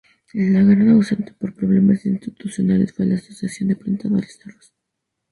La gran ausente, por problemas institucionales, fue la Asociación de Plantadores de Arroz.